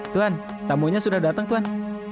tuan tamunya sudah datang tuan